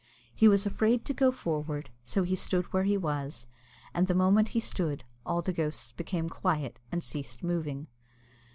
He was afraid to go forward, so he stood where he was, and the moment he stood, all the ghosts became quiet, and ceased moving.